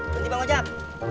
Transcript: nanti bang ojek